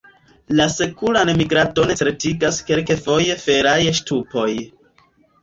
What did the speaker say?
La sekuran migradon certigas kelkfoje feraj ŝtupoj.